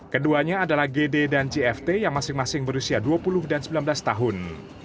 keduanya adalah gd dan jft yang masing masing berusia dua puluh dan sembilan belas tahun